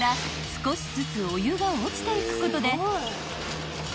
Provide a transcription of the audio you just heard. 少しずつお湯が落ちていくことで］